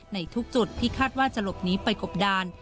ในทุกจุดที่คาดว่าจะหลบหนีไปกบดาน